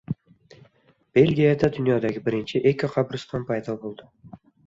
Belgiyada dunyodagi birinchi ekoqabriston paydo bo‘ldi